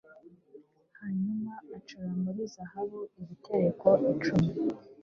hanyuma acura muri zahabu ibitereko icumi